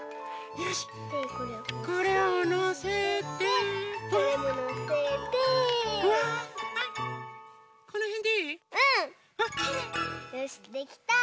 よしできた！